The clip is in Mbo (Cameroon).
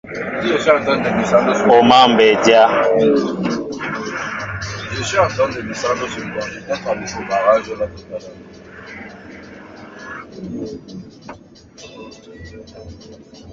O máál mbɛy a dyá.